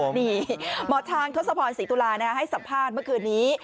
นี่หมอช้างทศพรศรีตุลาให้สัมภาษณ์เมื่อคืนนี้